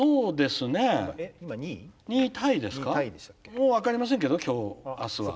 もう分かりませんけど今日明日は。